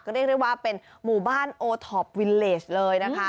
ก็ได้เรียกว่าเป็นหมู่บ้านโอทอปวิเล็จเลยนะคะ